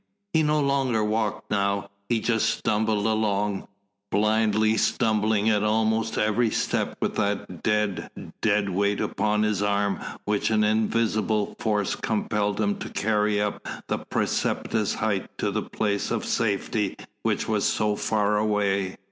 He no longer walked now, he just tumbled along, blindly stumbling at almost every step with that dead, dead weight upon his arm which an invisible force compelled him to carry up the precipitous height to the place of safety which was so far away.